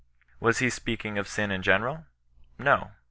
Was he speaking of sin in general? No.